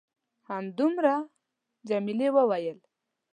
همدومره؟ جميلې وويل:.